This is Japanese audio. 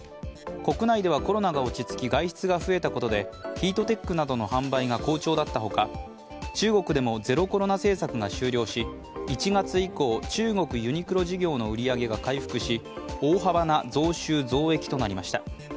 国内ではコロナが落ち着き外出が増えたことでヒートテックなどの販売が好調だったほか、中国でもゼロコロナ政策が終了し１月以降、中国ユニクロ事業の売り上げが回復し大幅な増収増益となりました。